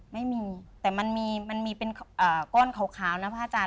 ไม่มีแต่มันมีเป็นก้อนขาวนะพระอาจารย